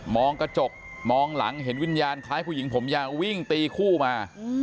กระจกมองหลังเห็นวิญญาณคล้ายผู้หญิงผมยาววิ่งตีคู่มา